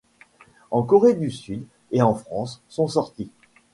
En Corée du Sud et en France, sont sortis.